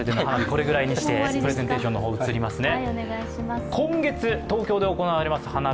このぐらいにしてプレゼンテーションに移りますね。